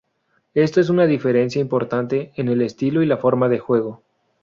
Esto es una diferencia importante en el estilo y la forma de juego.